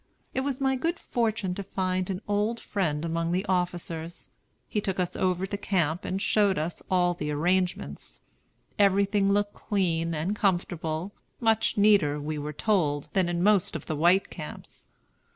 It was my good fortune to find an old friend among the officers. He took us over the camp and showed us all the arrangements. Everything looked clean and comfortable; much neater, we were told, than in most of the white camps.